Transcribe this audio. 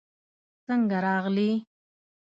څنګه راغلې؟